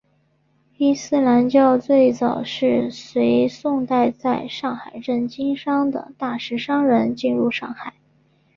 伊斯兰教最早是随宋代在上海镇经商的大食商人进入上海。